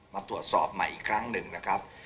มาตรวจสอบใหม่อีกครั้งหนึ่งนะครับ